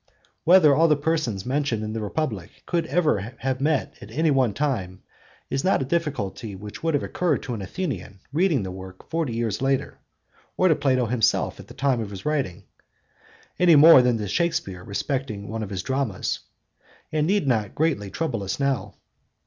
Whether all the persons mentioned in the Republic could ever have met at any one time is not a difficulty which would have occurred to an Athenian reading the work forty years later, or to Plato himself at the time of writing (any more than to Shakespeare respecting one of his own dramas); and need not greatly trouble us now.